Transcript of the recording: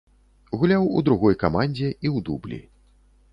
Гуляў у другой камандзе і ў дублі.